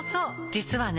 実はね